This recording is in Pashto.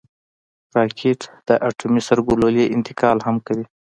راکټ د اټومي سرګلولې انتقال هم کوي